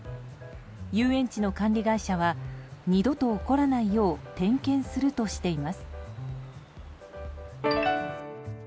遊園地の管理会社は二度と起こらないよう点検するとしています。